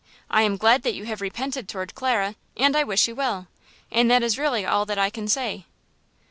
I am glad that you have repented toward Clara and I wish you well, and that is really all that I can say."